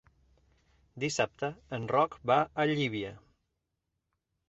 Dissabte en Roc va a Llívia.